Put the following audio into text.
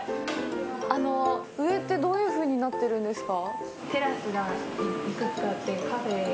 上って、どういうふうになってるんですか。